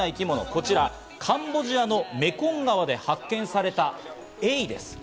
こちらカンボジアのメコン川で発見されたエイです。